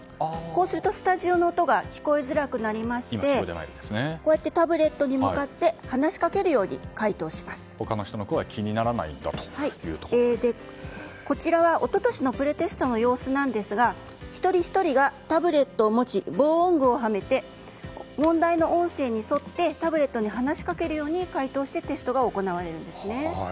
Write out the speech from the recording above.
こうするとスタジオの音が聞こえづらくなりましてこうやってタブレットに向かって話しかけるように他の人の声がこちらは、一昨年のプレテストの様子なんですが一人ひとりがタブレットを持ち防音具をはめて問題の音声に沿ってタブレットに話しかけるように解答してテストが行われるんですね。